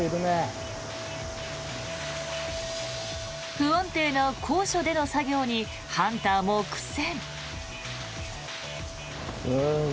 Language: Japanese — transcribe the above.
不安定な高所での作業にハンターも苦戦。